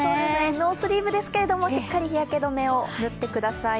ノースリーブですが、しっかり日焼け止めを塗ってください。